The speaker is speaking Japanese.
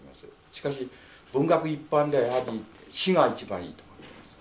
しかし文学一般ではやはり詩が一番いいと思ってます。